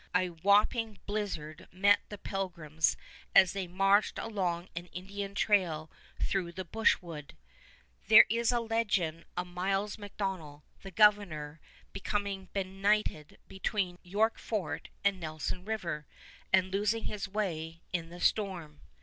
A whooping blizzard met the pilgrims as they marched along an Indian trail through the brushwood. There is a legend of Miles MacDonell, the governor, becoming benighted between York Fort and Nelson River, and losing his way in the storm.